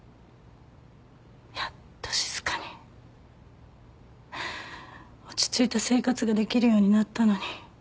やっと静かに落ち着いた生活ができるようになったのに。